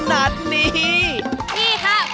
มาเยือนทินกระวีและสวัสดี